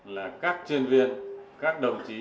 là các chuyên viên các đồng chí